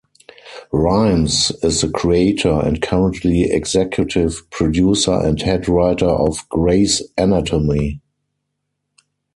Rhimes is the creator and currently executive producer and head writer of "Grey's Anatomy".